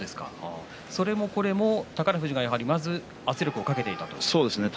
それもこれも宝富士がまずは圧力をかけていったから。